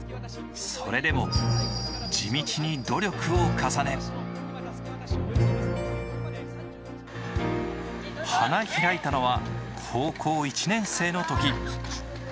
それでも地道に努力を重ね、花開いたのは高校１年生のとき。